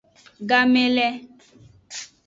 Game le.